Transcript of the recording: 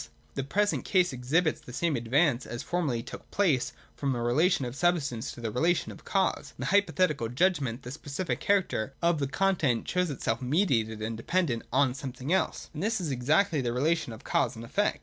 The present case exhibits the same advance as formerly took place from the relation of substance to the relation of cause. In the Hypothetical judgment the specific character of the content shows itself mediated and dependent on something else : and this is exactly the relation of cause and effect.